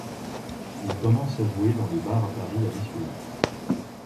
Il commence à jouer dans les bars à Paris l'année suivante.